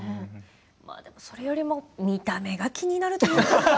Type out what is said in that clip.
それよりも見た目が気になるというか。